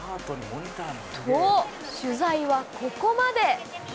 と、取材はここまで！